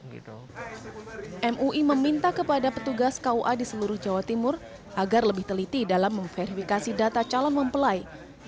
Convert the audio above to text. mui meminta kepada petugas kua di seluruh jawa timur agar lebih teliti dalam memverifikasi data calon mempelai